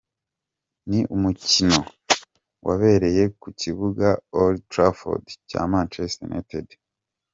Ni umukino wabereye ku kibuga Old Trafford cya Manchester United.